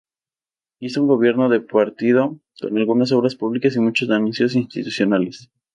Hizo un gobierno de partido, con algunas obras públicas y muchos anuncios institucionales.